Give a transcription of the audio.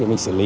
để mình xử lý